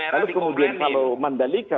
lalu kemudian kalau mandalika